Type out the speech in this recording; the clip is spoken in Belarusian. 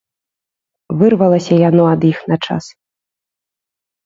Вырвалася яно ад іх на час.